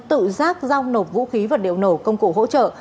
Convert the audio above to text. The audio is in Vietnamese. tự giác giao nộp vũ khí vật liệu nổ công cụ hỗ trợ